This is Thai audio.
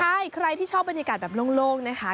ใช่ใครที่ชอบบรรยากาศแบบโล่งนะคะ